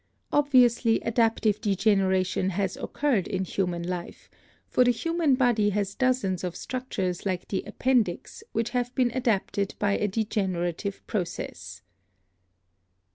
Obviously adaptive degeneration has occurred in human life, for the human body has dozens of structures like the appendix which have been adapted by a degenerative process.